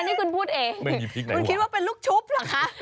อันนี้คุณพูดเองคุณคิดว่าเป็นลูกชุบเหรอคะ